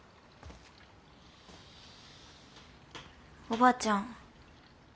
おばあちゃん。